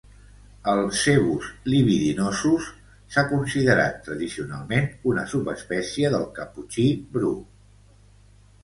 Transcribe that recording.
El "cebus libidinosus" s'ha considerat tradicionalment una subespècie del caputxí bru.